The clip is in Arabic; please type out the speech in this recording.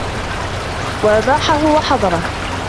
وَأَبَاحَهُ وَحَظَرَهُ